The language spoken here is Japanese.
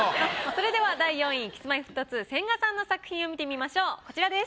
それでは第４位Ｋｉｓ−Ｍｙ−Ｆｔ２・千賀さんの作品を見てみましょうこちらです。